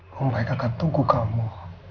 mumbaik akan tunggu kamu